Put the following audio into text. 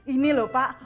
ini loh pak